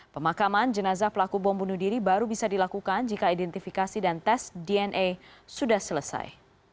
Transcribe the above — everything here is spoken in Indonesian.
pemakaman jenazah pelaku bom bunuh diri baru bisa dilakukan jika identifikasi dan tes dna sudah selesai